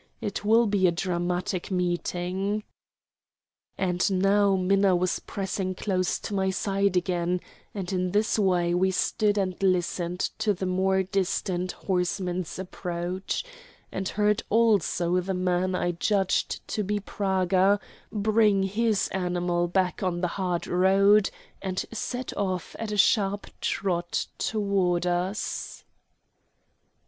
It will be a dramatic meeting." And now Minna was pressing close to my side again; and in this way we stood and listened to the more distant horseman's approach, and heard also the man I judged to be Praga bring his animal back on to the hard road and set off at a sharp trot toward us.